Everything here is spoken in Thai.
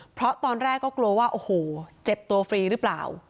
เพราะตอนแรกก็กลัวว่าโอ้โหเจ็บตัวฟรีหรือเปล่า